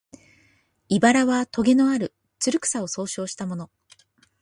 「茨」はとげのある、つる草を総称したもの